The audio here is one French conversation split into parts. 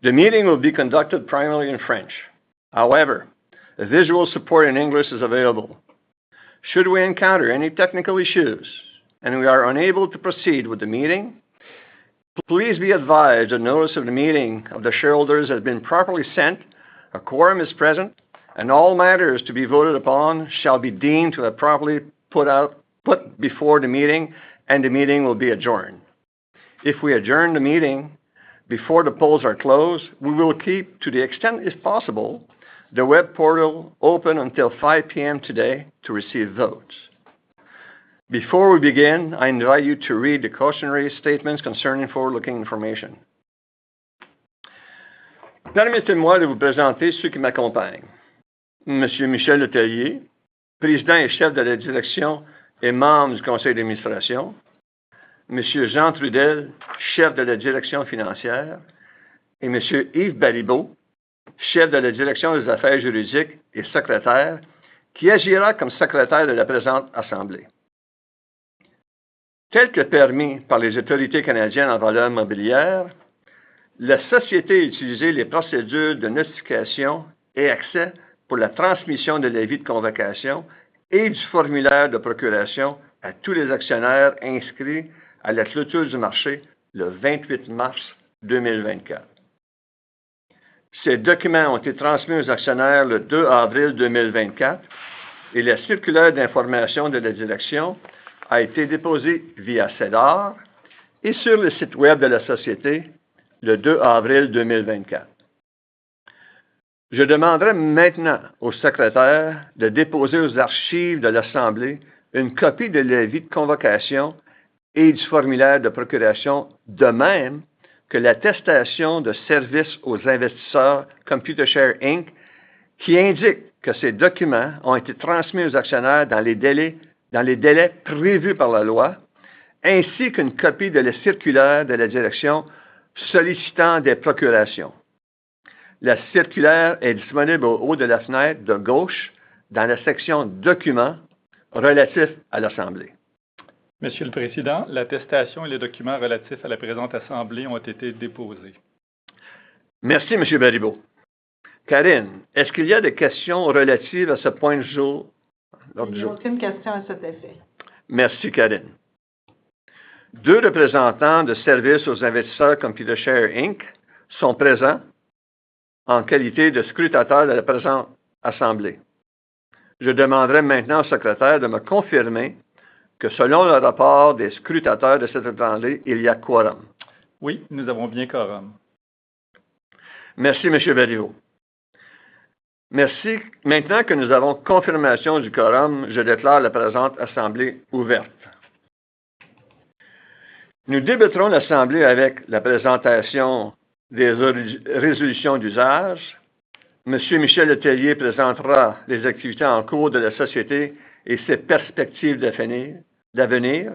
The meeting will be conducted primarily in French. However, visual support in English is available. Should we encounter any technical issues and we are unable to proceed with the meeting, please be advised that notice of the meeting of the shareholders has been properly sent, a quorum is present, and all matters to be voted upon shall be deemed to have been properly put before the meeting, and the meeting will be adjourned. If we adjourn the meeting before the polls are closed, we will keep, to the extent it's possible, the web portal open until 5:00 PM today to receive votes. Before we begin, I invite you to read the cautionary statements concerning forward-looking information. Permettez-moi de vous présenter ceux qui m'accompagnent: Monsieur Michel Letellier, Président et Chef de la Direction et membre du conseil d'administration; Monsieur Jean Trudel, Chef de la Direction Financière; et Monsieur Yves Balibeau, Chef de la Direction des Affaires Juridiques et Secrétaire, qui agira comme secrétaire de la présente assemblée. Tel que permis par les autorités canadiennes en valeurs mobilières, la société utiliserait les procédures de notification et accès pour la transmission de l'avis de convocation et du formulaire de procuration à tous les actionnaires inscrits à la clôture du marché le 28 mars 2024. Ces documents ont été transmis aux actionnaires le 2 avril 2024, et la circulaire d'information de la direction a été déposée via SEDAR et sur le site web de la société le 2 avril 2024. Je demanderais maintenant au secrétaire de déposer aux archives de l'assemblée une copie de l'avis de convocation et du formulaire de procuration, de même que l'attestation de service aux investisseurs Computer Share Inc., qui indique que ces documents ont été transmis aux actionnaires dans les délais prévus par la loi, ainsi qu'une copie de la circulaire de la direction sollicitant des procurations. La circulaire est disponible au haut de la fenêtre de gauche, dans la section « Documents relatifs à l'assemblée ». Monsieur le Président, l'attestation et les documents relatifs à la présente assemblée ont été déposés. Merci, Monsieur Balibeau. Karine, est-ce qu'il y a des questions relatives à ce point à l'ordre du jour, Lord Joe? Non, aucune question à cet effet. Merci, Karine. Deux représentants de service aux investisseurs Computer Share Inc. sont présents en qualité de scrutateurs de la présente assemblée. Je demanderais maintenant au secrétaire de me confirmer que, selon le rapport des scrutateurs de cette assemblée, il y a quorum. Oui, nous avons bien quorum. Merci, Monsieur Balibeau. Merci. Maintenant que nous avons confirmation du quorum, je déclare la présente assemblée ouverte. Nous débuterons l'assemblée avec la présentation des résolutions d'usage. Monsieur Michel Letellier présentera les activités en cours de la société et ses perspectives d'avenir.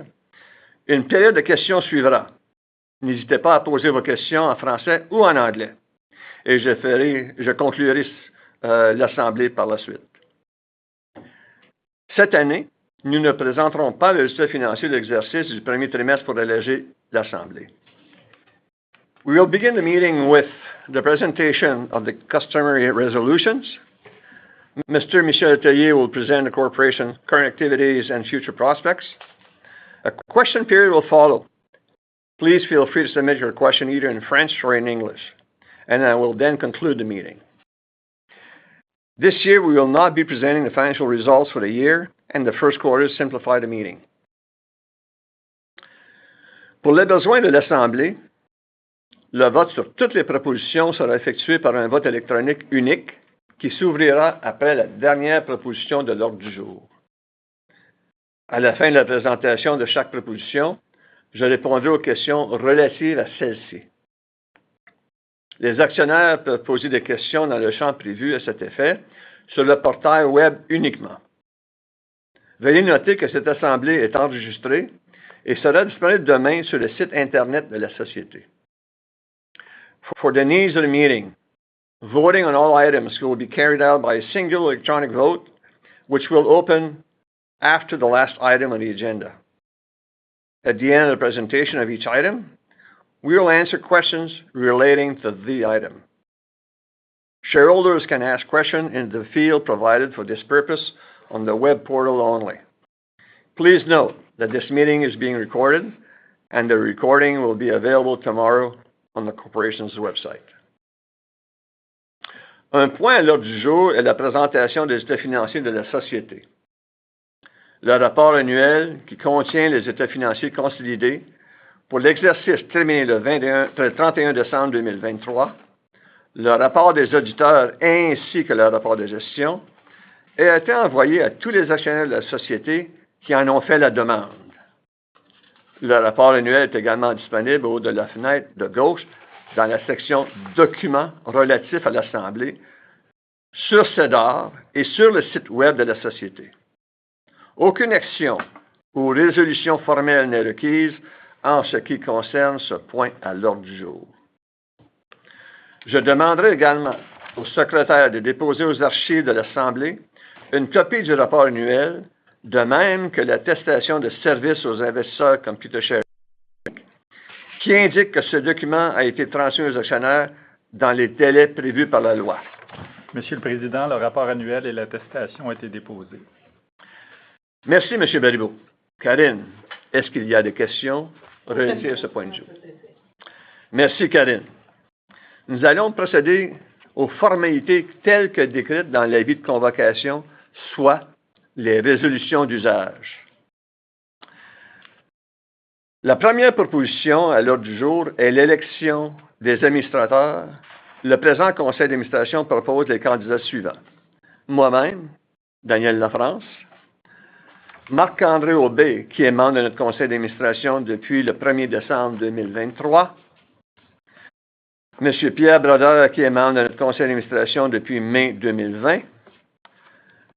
Une période de questions suivra. N'hésitez pas à poser vos questions en français ou en anglais, et je conclurai l'assemblée par la suite. Cette année, nous ne présenterons pas le résultat financier de l'exercice du premier trimestre pour alléger l'assemblée. We will begin the meeting with the presentation of the customary resolutions. Mr. Michel Letellier will present the corporation's current activities and future prospects. A question period will follow. Please feel free to submit your questions either in French or in English, and I will then conclude the meeting. This year, we will not be presenting the financial results for the year and the first quarter to simplify the meeting. Pour les besoins de l'assemblée, le vote sur toutes les propositions sera effectué par un vote électronique unique qui s'ouvrira après la dernière proposition de l'ordre du jour. À la fin de la présentation de chaque proposition, je répondrai aux questions relatives à celle-ci. Les actionnaires peuvent poser des questions dans le champ prévu à cet effet sur le portail web uniquement. Veuillez noter que cette assemblée est enregistrée et sera disponible demain sur le site internet de la société. For the needs of the meeting, voting on all items will be carried out by a single electronic vote, which will open after the last item on the agenda. At the end of the presentation of each item, we will answer questions relating to the item. Shareholders can ask questions in the field provided for this purpose on the web portal only. Please note that this meeting is being recorded, and the recording will be available tomorrow on the corporation's website. Un point à l'ordre du jour est la présentation des états financiers de la société. Le rapport annuel qui contient les états financiers consolidés pour l'exercice terminé le 31 décembre 2023, le rapport des auditeurs ainsi que le rapport de gestion, est envoyé à tous les actionnaires de la société qui en ont fait la demande. Le rapport annuel est également disponible au haut de la fenêtre de gauche, dans la section « Documents relatifs à l'assemblée », sur SEDAR et sur le site web de la société. Aucune action ou résolution formelle n'est requise en ce qui concerne ce point à l'ordre du jour. Je demanderai également au secrétaire de déposer aux archives de l'assemblée une copie du rapport annuel, de même que l'attestation de service aux investisseurs Computer Share Inc., qui indique que ce document a été transmis aux actionnaires dans les délais prévus par la loi. Monsieur le Président, le rapport annuel et l'attestation ont été déposés. Merci, Monsieur Balibeau. Karine, est-ce qu'il y a des questions relatives à ce point du jour? Tout à fait. Merci, Karine. Nous allons procéder aux formalités telles que décrites dans l'avis de convocation, soit les résolutions d'usage. La première proposition à l'ordre du jour est l'élection des administrateurs. Le présent conseil d'administration propose les candidats suivants: moi-même, Daniel Lafrance ; Marc-André Aubé, qui est membre de notre conseil d'administration depuis le 1er décembre 2023; Monsieur Pierre Brodeur, qui est membre de notre conseil d'administration depuis mai 2020;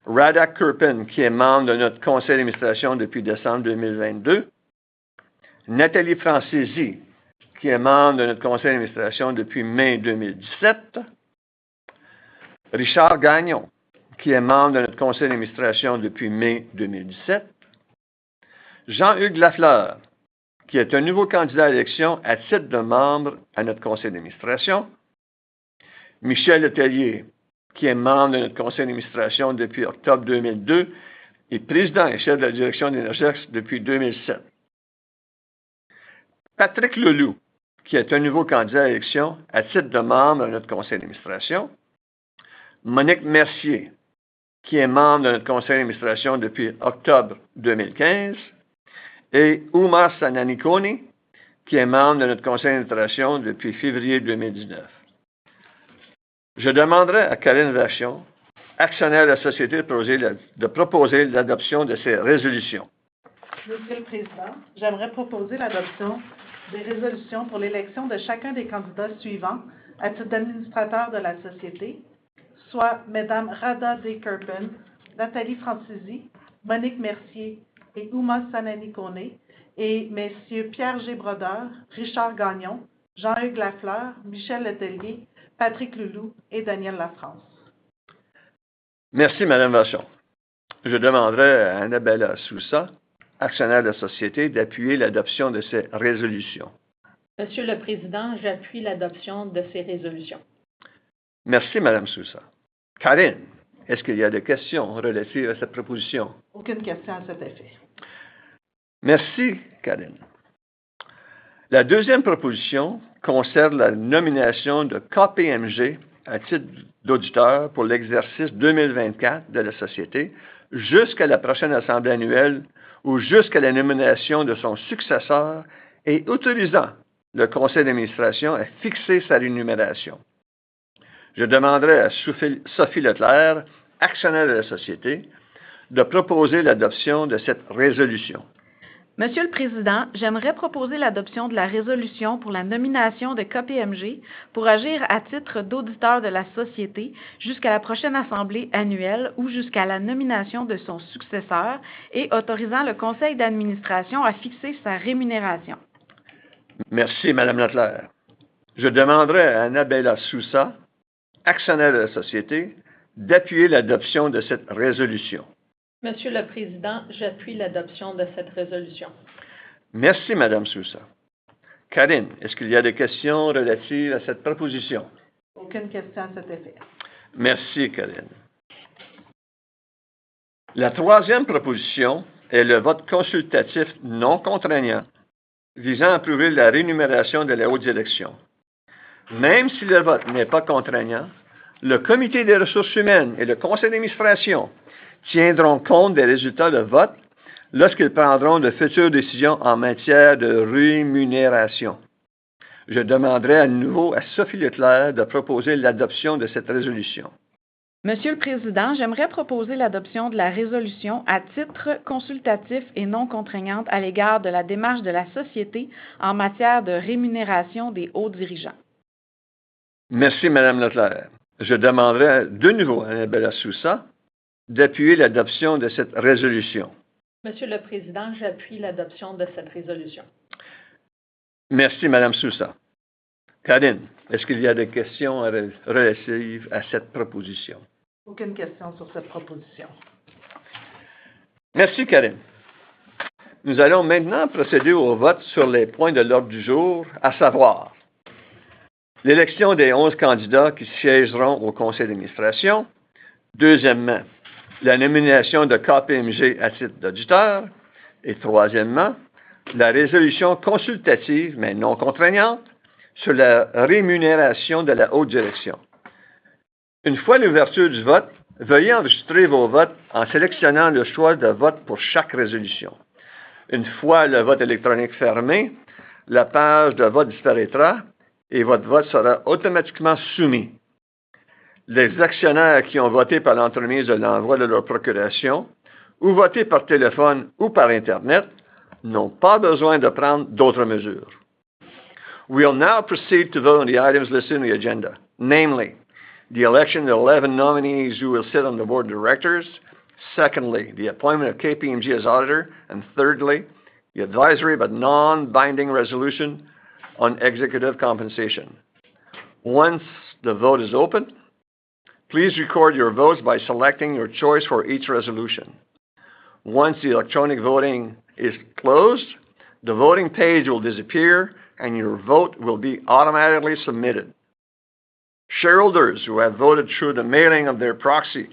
Radak Kurpin, qui est membre de notre conseil d'administration depuis décembre 2022; Nathalie Francési, qui est membre de notre conseil d'administration depuis mai 2017; Richard Gagnon, qui est membre de notre conseil d'administration depuis mai 2017; Jean-Hugues Lafleur, qui est un nouveau candidat à l'élection à titre de membre à notre conseil d'administration; Michel Letellier, qui est membre de notre conseil d'administration depuis octobre 2002 et Président et Chef de la direction d'Innergex depuis 2007; Patrick Leloup, qui est un nouveau candidat à l'élection à titre de membre à notre conseil d'administration; Monique Mercier, qui est membre de notre conseil d'administration depuis octobre 2015; et Oumar Sananikone, qui est membre de notre conseil d'administration depuis février 2019. Je demanderai à Karine Vachon, actionnaire de la société, de proposer l'adoption de ces résolutions. Monsieur le Président, j'aimerais proposer l'adoption des résolutions pour l'élection de chacun des candidats suivants à titre d'administrateur de la société, soit Mesdames Radka Kurpin, Nathalie Francési, Monique Mercier et Oumar Sananikone, et Messieurs Pierre G. Brodeur, Richard Gagnon, Jean-Hugues Lafleur, Michel Letellier, Patrick Leloup et Daniel Lafrance. Merci, Madame Vachon. Je demanderai à Annabella Soussa, actionnaire de la société, d'appuyer l'adoption de ces résolutions. Monsieur le Président, j'appuie l'adoption de ces résolutions. Merci, Madame Soussa. Karine, est-ce qu'il y a des questions relatives à cette proposition? Aucune question à cet effet. Merci, Karine. La deuxième proposition concerne la nomination de KPMG à titre d'auditeur pour l'exercice 2024 de la société jusqu'à la prochaine assemblée annuelle ou jusqu'à la nomination de son successeur, autorisant le conseil d'administration à fixer sa rémunération. Je demanderai à Sophie Leclerc, actionnaire de la société, de proposer l'adoption de cette résolution. Monsieur le Président, j'aimerais proposer l'adoption de la résolution pour la nomination de KPMG pour agir à titre d'auditeur de la société jusqu'à la prochaine assemblée annuelle ou jusqu'à la nomination de son successeur, autorisant le conseil d'administration à fixer sa rémunération. Merci, Madame Leclerc. Je demanderai à Annabella Soussa, actionnaire de la société, d'appuyer l'adoption de cette résolution. Monsieur le Président, j'appuie l'adoption de cette résolution. Merci, Madame Soussa. Karine, est-ce qu'il y a des questions relatives à cette proposition? Aucune question à cet effet. Merci, Karine. La troisième proposition est le vote consultatif non contraignant visant à approuver la rémunération de la haute direction. Même si le vote n'est pas contraignant, le comité des ressources humaines et le conseil d'administration tiendront compte des résultats de vote lorsqu'ils prendront de futures décisions en matière de rémunération. Je demanderai à nouveau à Sophie Leclerc de proposer l'adoption de cette résolution. Monsieur le Président, j'aimerais proposer l'adoption de la résolution à titre consultatif et non contraignant à l'égard de la démarche de la société en matière de rémunération des hauts dirigeants. Merci, Madame Leclerc. Je demanderai de nouveau à Annabella Soussa d'appuyer l'adoption de cette résolution. Monsieur le Président, j'appuie l'adoption de cette résolution. Merci, Madame Soussa. Karine, est-ce qu'il y a des questions relatives à cette proposition? Aucune question sur cette proposition. Merci, Karine. Nous allons maintenant procéder au vote sur les points de l'ordre du jour, à savoir : l'élection des 11 candidats qui siègeront au conseil d'administration; deuxièmement, la nomination de KPMG à titre d'auditeur; et troisièmement, la résolution consultative mais non contraignante sur la rémunération de la haute direction. Une fois l'ouverture du vote, veuillez enregistrer vos votes en sélectionnant le choix de vote pour chaque résolution. Une fois le vote électronique fermé, la page de vote disparaîtra et votre vote sera automatiquement soumis. Les actionnaires qui ont voté par l'entremise de l'envoi de leurs procurations ou voté par téléphone ou par Internet n'ont pas besoin de prendre d'autres mesures. We will now proceed to vote on the items listed on the agenda, namely: the election of 11 nominees who will sit on the board of directors; secondly, the appointment of KPMG as auditor; and thirdly, the advisory but non-binding resolution on executive compensation. Once the vote is open, please record your votes by selecting your choice for each resolution. Once the electronic voting is closed, the voting page will disappear and your vote will be automatically submitted. Shareholders who have voted through the mailing of their proxy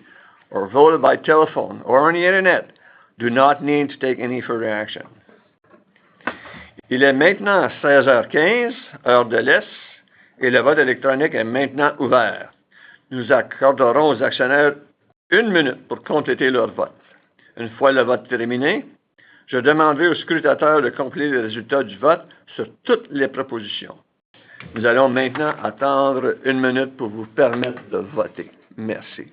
or voted by telephone or on the Internet do not need to take any further action. Il est maintenant 16 h 15, heure de l'Est, et le vote électronique est maintenant ouvert. Nous accorderons aux actionnaires une minute pour compléter leur vote. Une fois le vote terminé, je demanderai aux scrutateurs de compléter les résultats du vote sur toutes les propositions. Nous allons maintenant attendre une minute pour vous permettre de voter. Merci.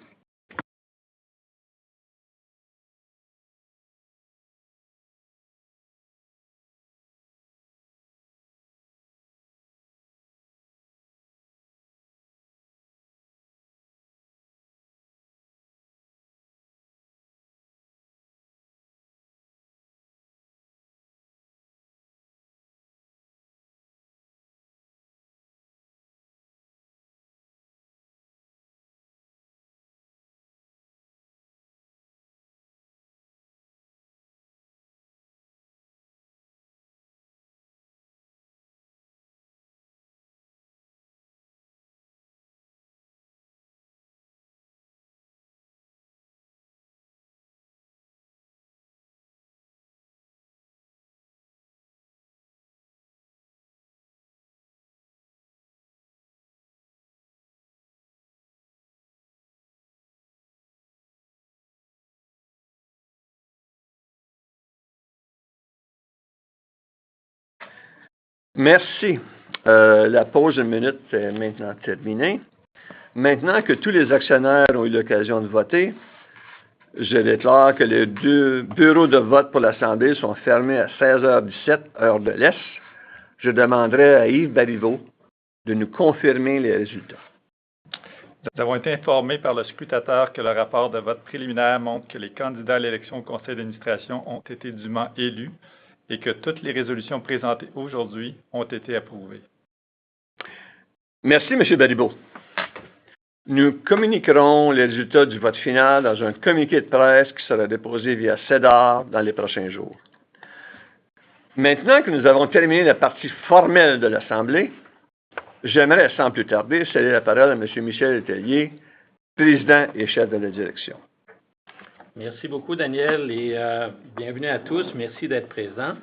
Merci. La pause d'une minute est maintenant terminée. Maintenant que tous les actionnaires ont eu l'occasion de voter, je déclare que les deux bureaux de vote pour l'assemblée sont fermés à 16 h 17, heure de l'Est. Je demanderai à Yves Baribeau de nous confirmer les résultats. D'avoir été informé par le scrutateur que le rapport de vote préliminaire montre que les candidats à l'élection au conseil d'administration ont été dûment élus et que toutes les résolutions présentées aujourd'hui ont été approuvées. Merci, Monsieur Baribeau. Nous communiquerons les résultats du vote final dans un communiqué de presse qui sera déposé via SEDAR dans les prochains jours. Maintenant que nous avons terminé la partie formelle de l'assemblée, j'aimerais, sans plus tarder, céder la parole à Monsieur Michel Letellier, Président et Chef de la direction. Merci beaucoup, Daniel, et bienvenue à tous. Merci d'être présents.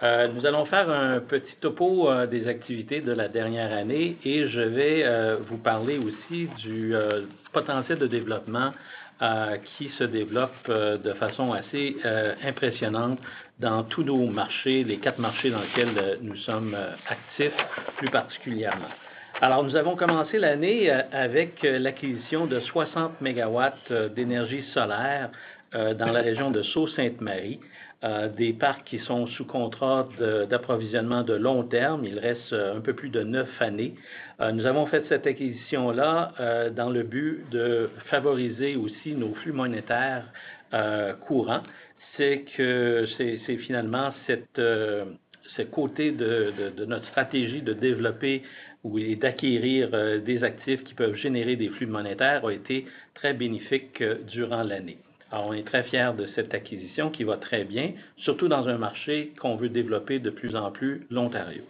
Nous allons faire un petit topo des activités de la dernière année et je vais vous parler aussi du potentiel de développement qui se développe de façon assez impressionnante dans tous nos marchés, les quatre marchés dans lesquels nous sommes actifs plus particulièrement. Alors, nous avons commencé l'année avec l'acquisition de 60 mégawatts d'énergie solaire dans la région de Sault-Sainte-Marie, des parcs qui sont sous contrat d'approvisionnement de long terme. Il reste un peu plus de neuf années. Nous avons fait cette acquisition dans le but de favoriser aussi nos flux monétaires courants. C'est que c'est finalement ce côté de notre stratégie de développer et d'acquérir des actifs qui peuvent générer des flux monétaires a été très bénéfique durant l'année. Alors, on est très fiers de cette acquisition qui va très bien, surtout dans un marché qu'on veut développer de plus en plus, l'Ontario.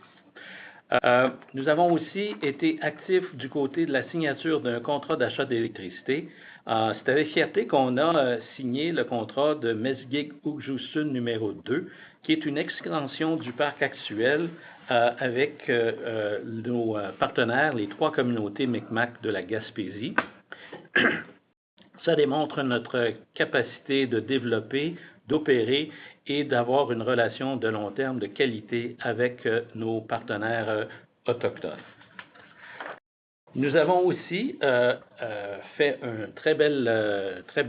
Nous avons aussi été actifs du côté de la signature d'un contrat d'achat d'électricité. C'est avec fierté qu'on a signé le contrat de Mesgi'g Ugju's'n numéro 2, qui est une extension du parc actuel avec nos partenaires, les trois communautés Mi'kmaq de la Gaspésie. Ça démontre notre capacité de développer, d'opérer et d'avoir une relation de long terme de qualité avec nos partenaires autochtones. Nous avons aussi fait un très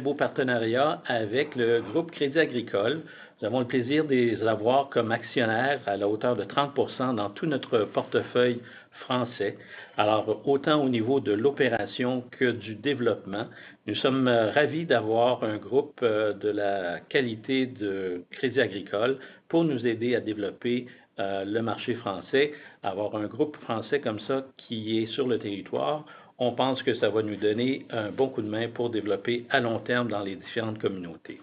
beau partenariat avec le groupe Crédit Agricole. Nous avons le plaisir de les avoir comme actionnaires à la hauteur de 30% dans tout notre portefeuille français. Alors, autant au niveau de l'opération que du développement, nous sommes ravis d'avoir un groupe de la qualité de Crédit Agricole pour nous aider à développer le marché français. Avoir un groupe français comme ça qui est sur le territoire, on pense que ça va nous donner un bon coup de main pour développer à long terme dans les différentes communautés.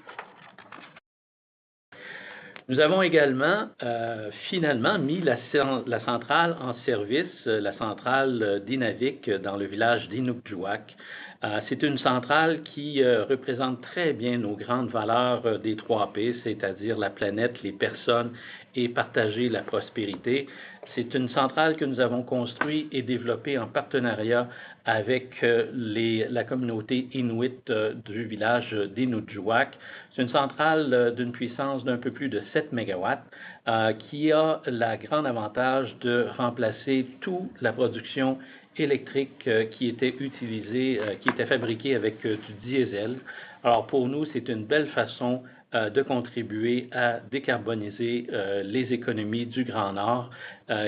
Nous avons également finalement mis la centrale en service, la centrale Dinavik dans le village d'Inukjuak. C'est une centrale qui représente très bien nos grandes valeurs des trois P, c'est-à-dire la planète, les personnes et partager la prospérité. C'est une centrale que nous avons construite et développée en partenariat avec la communauté inuite du village d'Inukjuak. C'est une centrale d'une puissance d'un peu plus de 7 mégawatts qui a le grand avantage de remplacer toute la production électrique qui était utilisée, qui était fabriquée avec du diesel. Alors, pour nous, c'est une belle façon de contribuer à décarboniser les économies du Grand Nord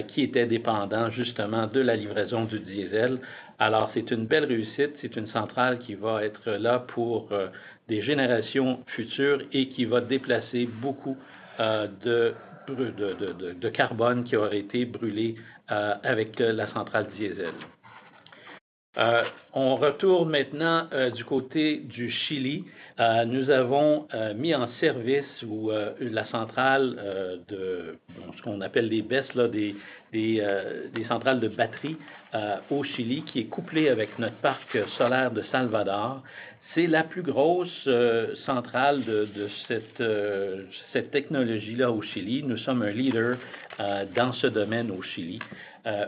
qui étaient dépendantes justement de la livraison du diesel. Alors, c'est une belle réussite. C'est une centrale qui va être là pour des générations futures et qui va déplacer beaucoup de carbone qui aura été brûlé avec la centrale diesel. On retourne maintenant du côté du Chili. Nous avons mis en service la centrale de ce qu'on appelle les BES, des centrales de batteries au Chili, qui est couplée avec notre parc solaire de Salvador. C'est la plus grosse centrale de cette technologie-là au Chili. Nous sommes un leader dans ce domaine au Chili.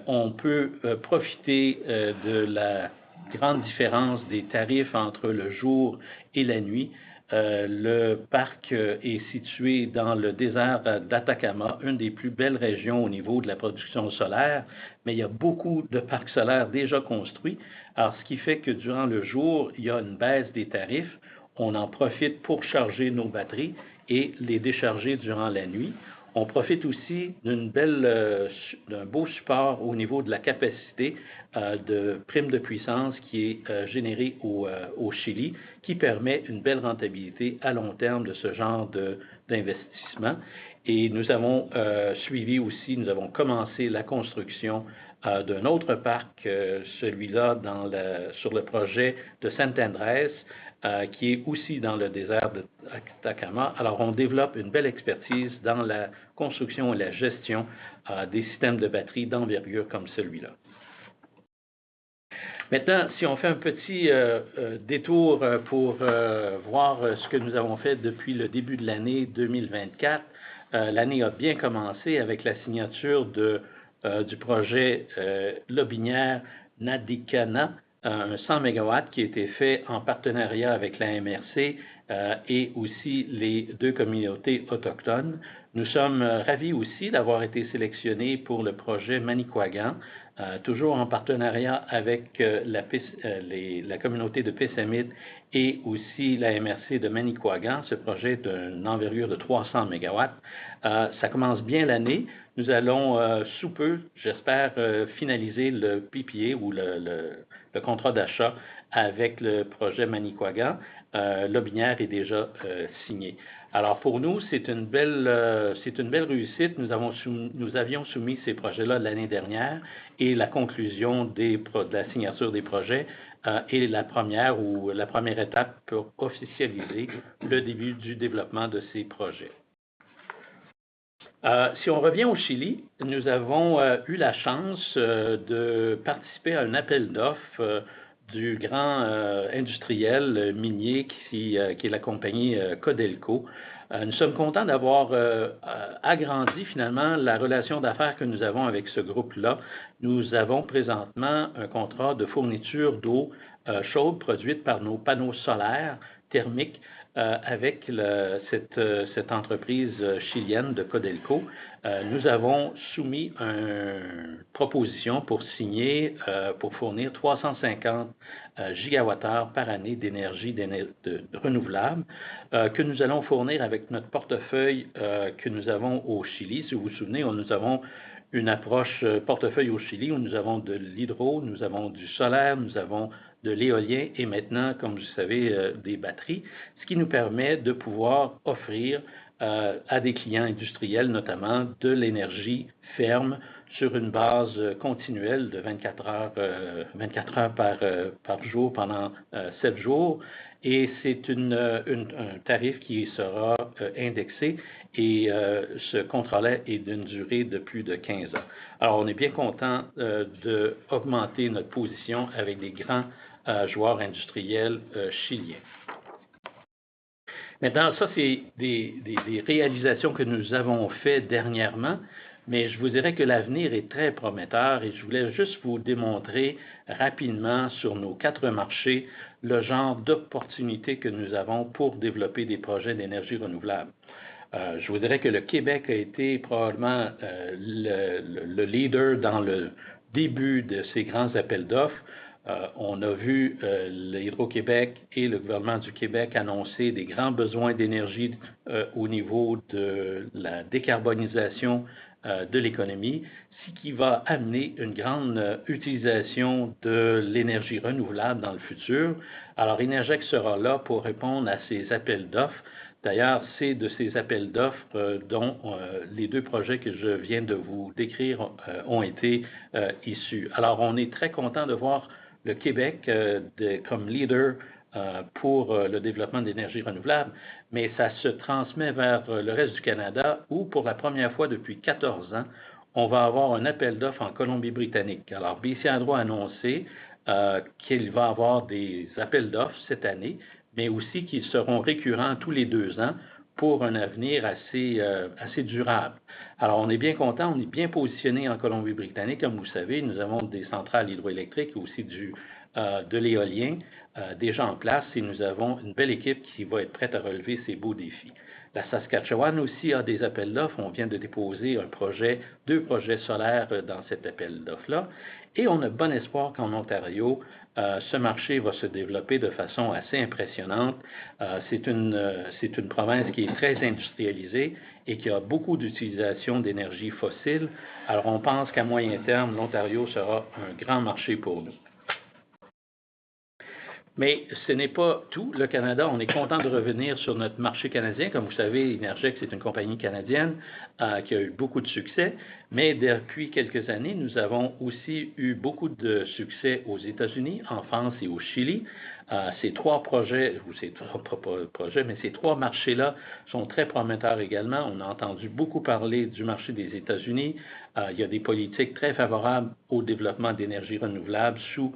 On peut profiter de la grande différence des tarifs entre le jour et la nuit. Le parc est situé dans le désert d'Atacama, une des plus belles régions au niveau de la production solaire, mais il y a beaucoup de parcs solaires déjà construits. Alors, ce qui fait que durant le jour, il y a une baisse des tarifs. On en profite pour charger nos batteries et les décharger durant la nuit. On profite aussi d'un beau support au niveau de la capacité de prime de puissance qui est générée au Chili, qui permet une belle rentabilité à long terme de ce genre d'investissement. Nous avons suivi aussi, nous avons commencé la construction d'un autre parc, celui-là sur le projet de Santa Andrés qui est aussi dans le désert d'Atacama. Alors, on développe une belle expertise dans la construction et la gestion des systèmes de batteries d'envergure comme celui-là. Maintenant, si on fait un petit détour pour voir ce que nous avons fait depuis le début de l'année 2024, l'année a bien commencé avec la signature du projet Lobinière Nadikana, un 100 mégawatts qui a été fait en partenariat avec la MRC et aussi les deux communautés autochtones. Nous sommes ravis aussi d'avoir été sélectionnés pour le projet Manikouagan, toujours en partenariat avec la communauté de Pessamite et aussi la MRC de Manikouagan. Ce projet est d'une envergure de 300 mégawatts. Ça commence bien l'année. Nous allons sous peu, j'espère, finaliser le PPA ou le contrat d'achat avec le projet Manikouagan. Lobinière est déjà signée. Alors, pour nous, c'est une belle réussite. Nous avons, nous avions soumis ces projets-là l'année dernière et la conclusion de la signature des projets est la première étape pour officialiser le début du développement de ces projets. Si on revient au Chili, nous avons eu la chance de participer à un appel d'offres du grand industriel minier qui est la compagnie Codelco. Nous sommes contents d'avoir agrandi finalement la relation d'affaires que nous avons avec ce groupe-là. Nous avons présentement un contrat de fourniture d'eau chaude produite par nos panneaux solaires thermiques avec cette entreprise chilienne de Codelco. Nous avons soumis une proposition pour signer, pour fournir 350 gigawattheures par année d'énergie renouvelable que nous allons fournir avec notre portefeuille que nous avons au Chili. Si vous vous souvenez, nous avons une approche portefeuille au Chili où nous avons de l'hydro, nous avons du solaire, nous avons de l'éolien et maintenant, comme vous le savez, des batteries, ce qui nous permet de pouvoir offrir à des clients industriels, notamment, de l'énergie ferme sur une base continuelle de 24 heures, 24 heures par jour pendant sept jours. Et c'est un tarif qui sera indexé et ce contrat-là est d'une durée de plus de 15 ans. Alors, on est bien contents d'augmenter notre position avec des grands joueurs industriels chiliens. Maintenant, ça, c'est des réalisations que nous avons faites dernièrement, mais je vous dirais que l'avenir est très prometteur et je voulais juste vous démontrer rapidement sur nos quatre marchés le genre d'opportunités que nous avons pour développer des projets d'énergie renouvelable. Je vous dirais que le Québec a été probablement le leader dans le début de ces grands appels d'offres. On a vu l'Hydro-Québec et le gouvernement du Québec annoncer des grands besoins d'énergie au niveau de la décarbonisation de l'économie, ce qui va amener une grande utilisation de l'énergie renouvelable dans le futur. Alors, Inergex sera là pour répondre à ces appels d'offres. D'ailleurs, c'est de ces appels d'offres dont les deux projets que je viens de vous décrire ont été issus. Alors, on est très contents de voir le Québec comme leader pour le développement de l'énergie renouvelable, mais ça se transmet vers le reste du Canada où, pour la première fois depuis 14 ans, on va avoir un appel d'offres en Colombie-Britannique. Alors, BC Hydro a annoncé qu'il va y avoir des appels d'offres cette année, mais aussi qu'ils seront récurrents tous les deux ans pour un avenir assez durable. Alors, on est bien contents, on est bien positionnés en Colombie-Britannique. Comme vous le savez, nous avons des centrales hydroélectriques et aussi de l'éolien déjà en place et nous avons une belle équipe qui va être prête à relever ces beaux défis. La Saskatchewan aussi a des appels d'offres. On vient de déposer un projet, deux projets solaires dans cet appel d'offres-là et on a bon espoir qu'en Ontario, ce marché va se développer de façon assez impressionnante. C'est une province qui est très industrialisée et qui a beaucoup d'utilisation d'énergies fossiles. Alors, on pense qu'à moyen terme, l'Ontario sera un grand marché pour nous. Mais ce n'est pas tout. Le Canada, on est contents de revenir sur notre marché canadien. Comme vous le savez, Innergex, c'est une compagnie canadienne qui a eu beaucoup de succès, mais depuis quelques années, nous avons aussi eu beaucoup de succès aux États-Unis, en France et au Chili. Ces trois marchés-là sont très prometteurs également. On a entendu beaucoup parler du marché des États-Unis. Il y a des politiques très favorables au développement d'énergies renouvelables sous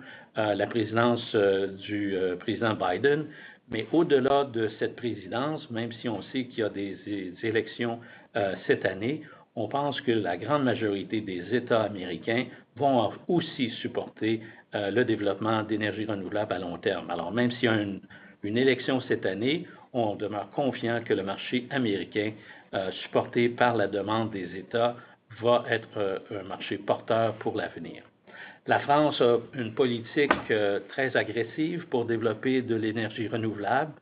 la présidence du président Biden, mais au-delà de cette présidence, même si on sait qu'il y a des élections cette année, on pense que la grande majorité des États américains vont aussi supporter le développement d'énergies renouvelables à long terme. Alors, même s'il y a une élection cette année, on demeure confiant que le marché américain, supporté par la demande des États, va être un marché porteur pour l'avenir. La France a une politique très agressive pour développer de l'énergie renouvelable,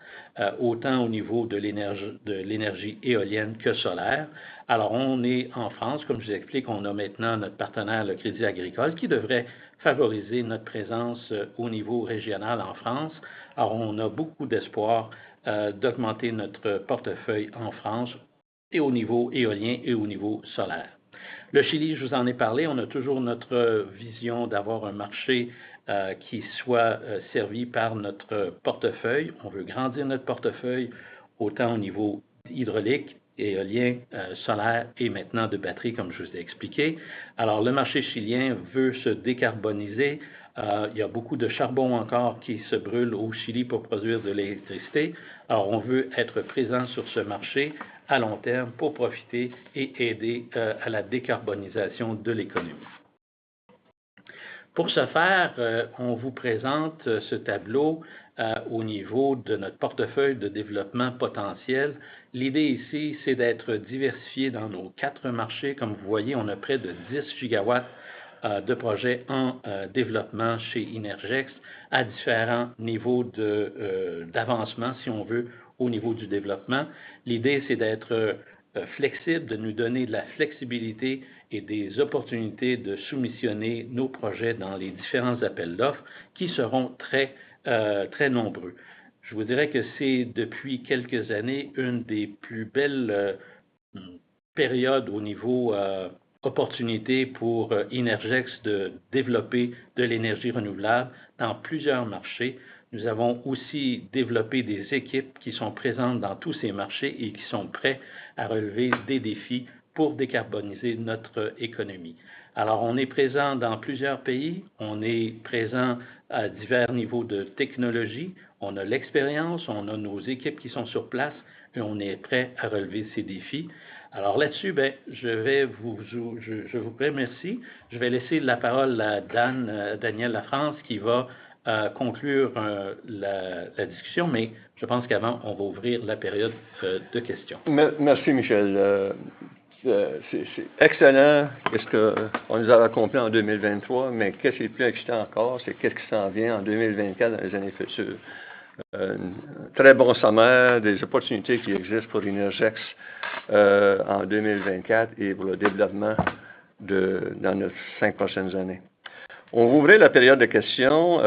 autant au niveau de l'énergie éolienne que solaire. On est en France, comme je vous explique, on a maintenant notre partenaire, le Crédit Agricole, qui devrait favoriser notre présence au niveau régional en France. On a beaucoup d'espoir d'augmenter notre portefeuille en France et au niveau éolien et au niveau solaire. Le Chili, je vous en ai parlé, on a toujours notre vision d'avoir un marché qui soit servi par notre portefeuille. On veut grandir notre portefeuille autant au niveau hydraulique, éolien, solaire et maintenant de batteries, comme je vous ai expliqué. Le marché chilien veut se décarboniser. Il y a beaucoup de charbon encore qui se brûle au Chili pour produire de l'électricité. On veut être présent sur ce marché à long terme pour profiter et aider à la décarbonisation de l'économie. Pour ce faire, on vous présente ce tableau au niveau de notre portefeuille de développement potentiel. L'idée ici, c'est d'être diversifiés dans nos quatre marchés. Comme vous voyez, on a près de 10 gigawatts de projets en développement chez Innergex à différents niveaux d'avancement au niveau du développement. L'idée, c'est d'être flexible, de nous donner de la flexibilité et des opportunités de soumissionner nos projets dans les différents appels d'offres qui seront très nombreux. Je vous dirais que c'est depuis quelques années une des plus belles périodes au niveau opportunités pour Innergex de développer de l'énergie renouvelable dans plusieurs marchés. Nous avons aussi développé des équipes qui sont présentes dans tous ces marchés et qui sont prêtes à relever des défis pour décarboniser notre économie. Alors, on est présent dans plusieurs pays. On est présent à divers niveaux de technologie. On a l'expérience, on a nos équipes qui sont sur place et on est prêts à relever ces défis. Alors, là-dessus, je vais vous remercier. Je vais laisser la parole à Daniel Lafrance qui va conclure la discussion, mais je pense qu'avant, on va ouvrir la période de questions. Merci, Michel. C'est excellent ce qu'on nous a raconté en 2023, mais ce qui est plus excitant encore, c'est ce qui s'en vient en 2024 dans les années futures. Un très bon sommaire des opportunités qui existent pour Innergex en 2024 et pour le développement dans les cinq prochaines années. On va ouvrir la période de questions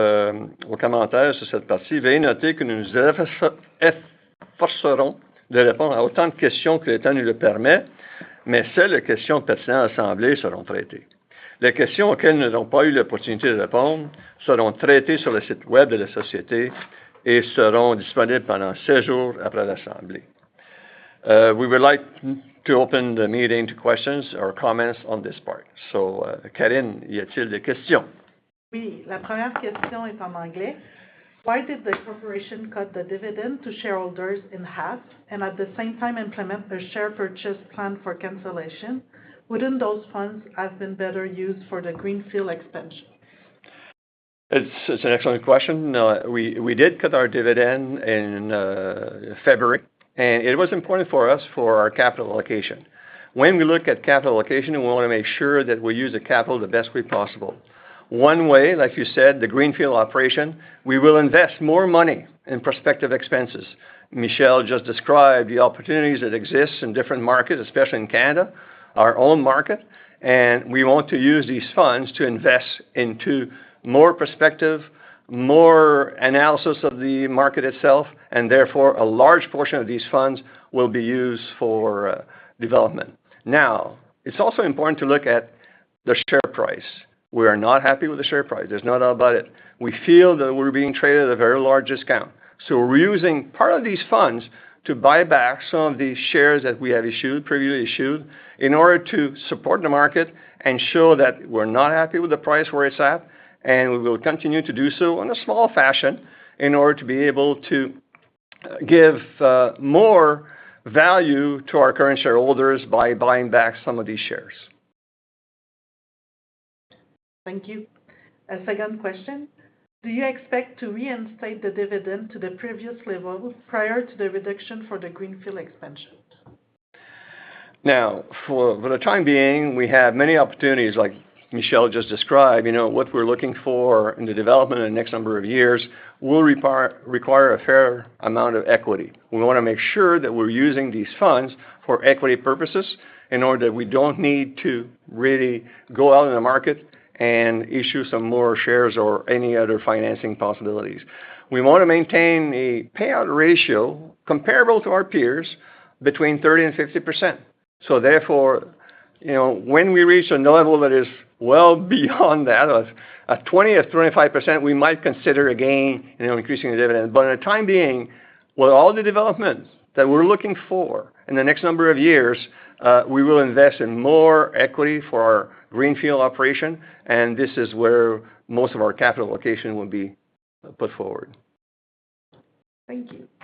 aux commentaires sur cette partie. Veuillez noter que nous nous efforcerons de répondre à autant de questions que le temps nous le permet, mais seules les questions pertinentes à l'Assemblée seront traitées. Les questions auxquelles nous n'avons pas eu l'opportunité de répondre seront traitées sur le site web de la société et seront disponibles pendant sept jours après l'Assemblée. We would like to open the meeting to questions or comments on this part. Karine, y a-t-il des questions? Oui, la première question est en anglais. Why did the corporation cut the dividend to shareholders in half and at the same time implement a share purchase plan for cancellation? Wouldn't those funds have been better used for the greenfield expansion? It's an excellent question. We did cut our dividend in February, and it was important for us for our capital allocation. When we look at capital allocation, we want to make sure that we use the capital the best way possible. One way, like you said, the greenfield operation, we will invest more money in prospective expenses. Michel just described the opportunities that exist in different markets, especially in Canada, our own market, and we want to use these funds to invest into more prospective, more analysis of the market itself, and therefore, a large portion of these funds will be used for development. Now, it's also important to look at the share price. We are not happy with the share price. There's no doubt about it. We feel that we're being traded at a very large discount. We're using part of these funds to buy back some of the shares that we have issued, previously issued, in order to support the market and show that we're not happy with the price where it's at, and we will continue to do so in a small fashion in order to be able to give more value to our current shareholders by buying back some of these shares. Thank you. A second question. Do you expect to reinstate the dividend to the previous level prior to the reduction for the greenfield expansion? Now, for the time being, we have many opportunities, like Michel just described. You know, what we're looking for in the development in the next number of years will require a fair amount of equity. We want to make sure that we're using these funds for equity purposes in order that we don't need to really go out in the market and issue some more shares or any other financing possibilities. We want to maintain a payout ratio comparable to our peers between 30% and 50%. So therefore, you know, when we reach a level that is well beyond that, a 20% or 25%, we might consider again increasing the dividend. But at the time being, with all the developments that we're looking for in the next number of years, we will invest in more equity for our greenfield operation, and this is where most of our capital allocation will be put forward. Thank you.